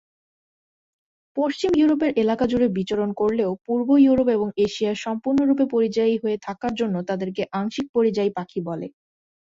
পশ্চিম ইউরোপের এলাকা জুড়ে বিচরণ করলেও পূর্ব ইউরোপ এবং এশিয়ায় সম্পূর্ণরূপে পরিযায়ী হয়ে থাকার জন্য, তাদেরকে আংশিক পরিযায়ী পাখি বলে।